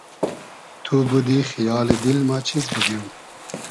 تو بودی خیالی دیل ما چیز بوگیم